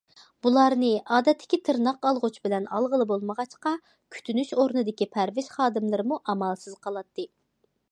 بۇلارنى ئادەتتىكى تىرناق ئالغۇچ بىلەن ئالغىلى بولمىغاچقا، كۈتۈنۈش ئورنىدىكى پەرۋىش خادىملىرىمۇ ئامالسىز قالاتتى.